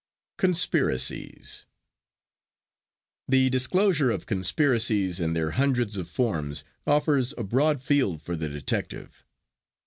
CONSPIRACIES The disclosure of conspiracies in their hundreds of forms offers a broad field for the detective.